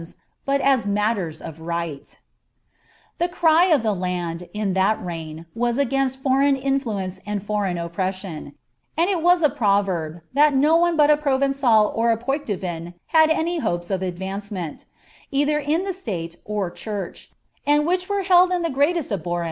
but aa iiiatiera uf righL The cry of the land, in that reign, waa agninat foreign infloeticeBit forei^i oppression ; and it was a proverb, thai no one but a Pnnmjtl or B Poicievin hiui any hopes of advaneement, eillier in ihf "ifiK! w church J and which were held in the grcalesi abhorren...